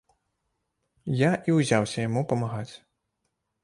Я і ўзяўся яму памагаць.